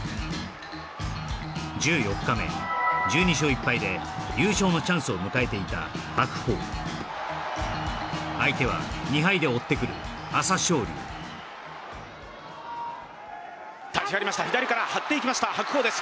１４日目１２勝１敗で優勝のチャンスを迎えていた白鵬相手は２敗で追ってくる朝青龍立ち上がりました左から張っていきました白鵬です